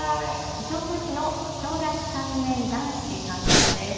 調布市の小学３年、男子さんからです。